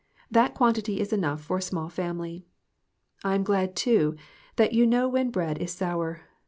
That quantity is enough for a small family. I am glad, too, that you know when bread is sour.